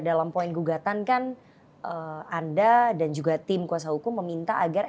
dalam poin gugatan kan anda dan juga tim kuasa hukum meminta agar